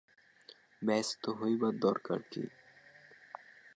ব্যস্ত হইবার দরকার কী।